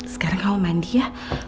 sekarang kamu mandi ya